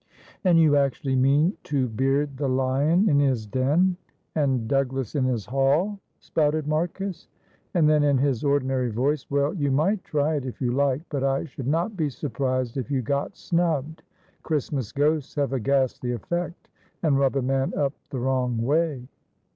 "And you actually mean 'to beard the lion in his den, and Douglas in his hall,'" spouted Marcus. And then, in his ordinary voice, "Well, you might try it, if you like; but I should not be surprised if you got snubbed. Christmas ghosts have a ghastly effect, and rub a man up the wrong way."